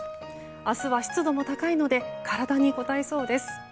明日は湿度も高いので体にこたえそうです。